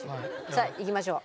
さあいきましょう。